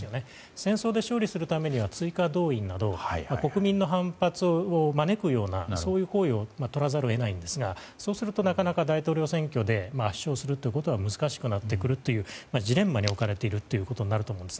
戦争で勝利するためには追加動員など国民の反発を招くような行為をとらざるを得ないんですがそうすると、なかなか大統領選挙で圧勝するというのは難しくなってくるというジレンマに置かれているということになると思います。